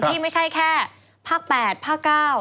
ที่ไม่ใช่แค่ภาคแปดภาคเก้า